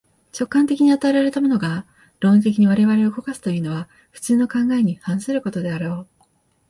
直観的に与えられたものが、論理的に我々を動かすというのは、普通の考えに反することであろう。